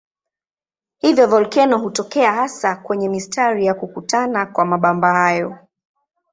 Hivyo volkeno hutokea hasa kwenye mistari ya kukutana kwa mabamba hayo.